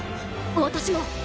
私も。